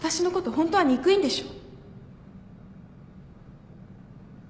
ホントは憎いんでしょ？